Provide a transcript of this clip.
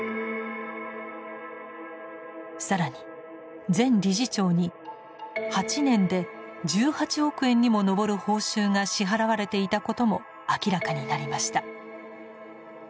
更に前理事長に８年で１８億円にも上る報酬が支払われていたことも明らかになりました。